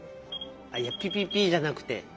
あいや「ピピピ」じゃなくて。